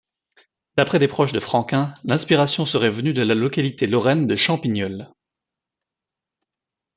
D'après des proches de Franquin l'inspiration serait venue de la localité lorraine de Champigneulles.